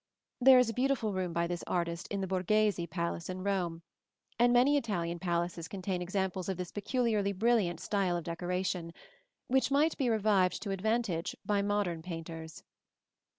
There is a beautiful room by this artist in the Borghese Palace in Rome, and many Italian palaces contain examples of this peculiarly brilliant style of decoration, which might be revived to advantage by modern painters.